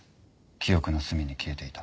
記憶の隅に消えていた。